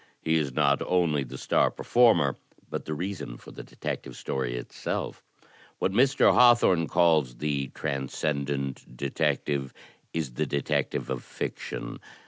He is not only the Star Performer, but the reason for the Detective Story itself. What Mr. Haw thorne calls the Transcendent Detective is the detective of fiction.